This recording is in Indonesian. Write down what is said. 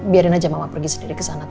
biarin aja mama pergi sendiri kesana